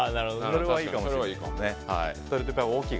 それはいいかもしれないですね。